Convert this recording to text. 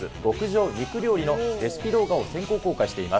極上肉料理のレシピ動画を先行公開しています。